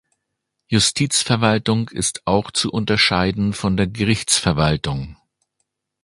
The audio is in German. Justizverwaltung ist auch zu unterscheiden von der Gerichtsverwaltung.